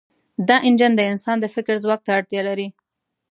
دا انجن د انسان د فکر ځواک ته اړتیا لري.